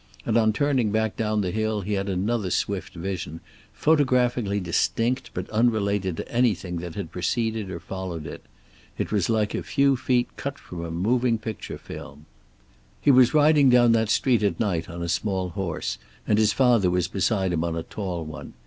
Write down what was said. And on turning back down the hill he had another swift vision, photographically distinct but unrelated to anything that had preceded or followed it. It was like a few feet cut from a moving picture film. He was riding down that street at night on a small horse, and his father was beside him on a tall one.